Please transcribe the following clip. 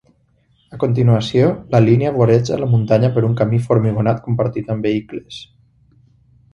A continuació, la línia voreja la muntanya per un camí formigonat compartit amb vehicles.